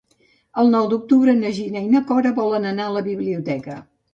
El nou d'octubre na Gina i na Cora volen anar a la biblioteca.